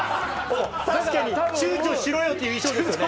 確かにちゅうちょしろよっていう衣装ですよね。